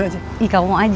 gapapa kamu duluan aja